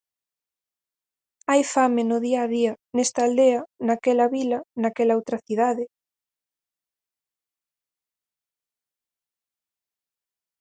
Hai fame no día a día, nesta aldea, naquela vila, naquela outra cidade.